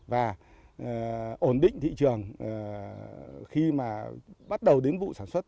và ổn định thị trường khi mà bắt đầu đến vụ sản xuất